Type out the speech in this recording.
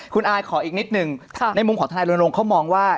คุณอายขออีกนิดนึงในมุมของทนายรณรงค์เขามองว่า